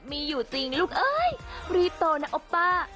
มีอยู่จริงลูกเอ้ยรีบโตนะโอปป้า